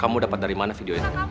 kamu dapat dari mana video itu